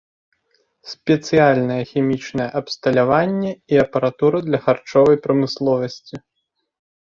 Спецыяльнае хімічнае абсталяванне і апаратура для харчовай прамысловасці.